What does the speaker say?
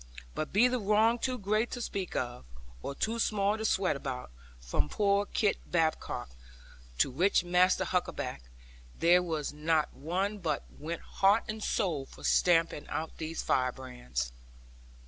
But be the wrong too great to speak of, or too small to swear about, from poor Kit Badcock to rich Master Huckaback, there was not one but went heart and soul for stamping out these firebrands.